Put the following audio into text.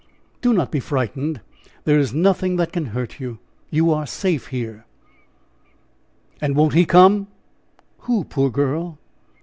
"Do not be frightened; there is nothing that can hurt you; you are safe here." "And won't he come?" "Who, poor girl?"